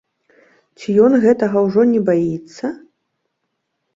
Ці ён гэтага ўжо не баіцца?